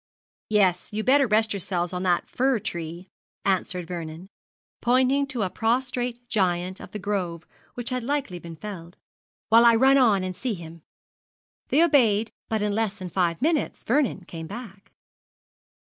'Yes, you'd better rest yourselves on that fir tree,' answered Vernon, pointing to a prostrate giant of the grove which had been lately felled, 'while I run on and see him.' They obeyed, but in less than five minutes Vernon came back.